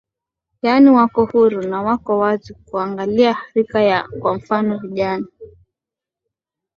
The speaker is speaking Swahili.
yani wako huru na wako wazi ukiangalia rika kwa mfano vijana